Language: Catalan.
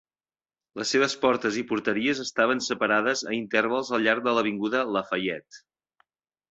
Les seves portes i porteries estaven separades a intervals al llarg de l'avinguda Lafayette.